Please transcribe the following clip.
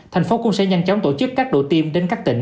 thành phố cũng sẽ nhanh chóng tổ chức các đội tiêm đến các tỉnh